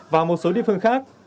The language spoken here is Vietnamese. và một số địa phương khác